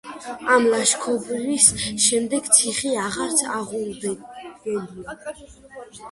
ამ ლაშქრობის შემდეგ ციხე აღარც აღუდგენიათ.